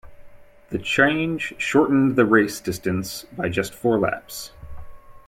The change shortened the race distance by just four laps.